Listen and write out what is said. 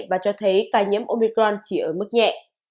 và cho thấy ca nhiễm omicron chỉ ở mức nhẹ